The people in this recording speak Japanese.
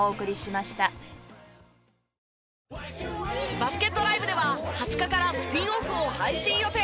バスケットＬＩＶＥでは２０日からスピンオフを配信予定。